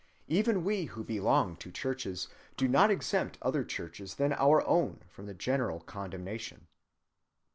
Even we who belong to churches do not exempt other churches than our own from the general condemnation.